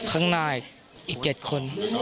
ข้างหน้าอีก๗คน